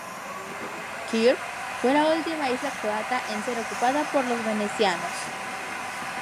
Krk fue la última isla croata en ser ocupada por los venecianos.